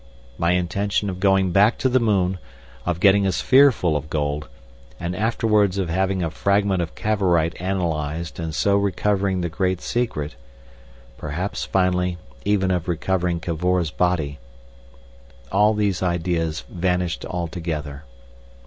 My intention of going back to the moon, of getting a sphereful of gold, and afterwards of having a fragment of Cavorite analysed and so recovering the great secret—perhaps, finally, even of recovering Cavor's body—all these ideas vanished altogether.